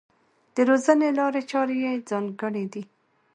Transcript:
د روزنې لارې چارې یې ځانګړې دي.